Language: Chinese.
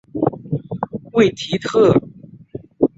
为堤厄斯忒斯与其女菲洛庇亚为推翻阿特柔斯所生。